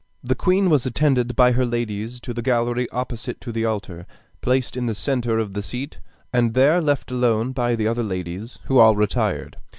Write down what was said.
The queen was attended by her ladies to the gallery opposite to the altar, placed in the centre of the seat, and there left alone by the other ladies, who all retired.